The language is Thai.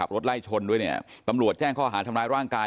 รถไล่ชนด้วยตำรวจแจ้งข้ออาหารทำลายร่างกาย